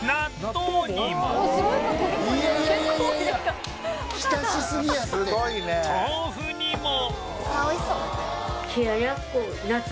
豆腐にも